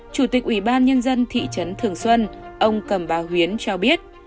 chủ tịch ủy ban nhân dân thị trấn thường xuân ông cầm bà huyến cho biết